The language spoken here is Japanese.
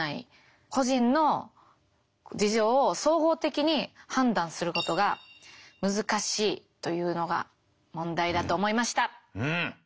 個人の事情を総合的に判断することが難しいというのが問題だと思いました。